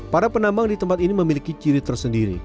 para penambang di tempat ini memiliki ciri tersendiri